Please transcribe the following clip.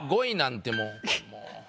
５位なんてもう。